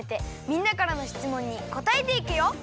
みんなからのしつもんにこたえていくよ！